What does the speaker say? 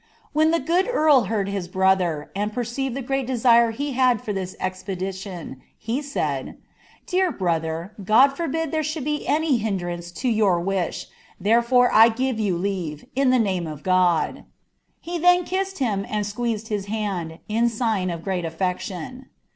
" When tlie good earl heard his brother, and perceived the gnat iktm he had for this eipedition, he said —■* Dear brother, God forbid there should be any hiodetaoce to youi wiHJv therefore I give yon leave, in the name afOuiJr" He thenkined him. and squeezed his hand, in sign of great alTecliou.